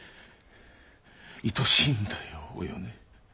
いとしいんだよおよね。